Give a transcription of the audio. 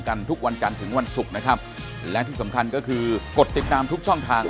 ทุกวันจันทร์ถึงวันศุกร์นะครับและที่สำคัญก็คือกดติดตามทุกช่องทาง